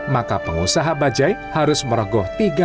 maka pengusaha bajaj harus merogoh tiga juta rupiah